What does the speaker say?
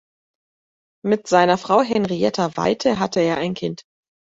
Mit seiner Frau Henrietta Waite hatte er ein Kind.